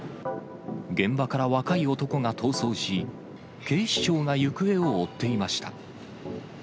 現場から若い男が逃走し、警視庁が行方を追っていました。